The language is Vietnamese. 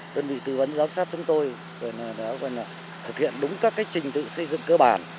đơn vị tư vấn giám sát chúng tôi đã thực hiện đúng các trình tự xây dựng cơ bản